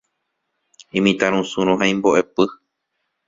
Imitãrusúrõ ha imbo'epy.